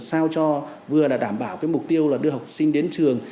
sao cho vừa là đảm bảo cái mục tiêu là đưa học sinh đến trường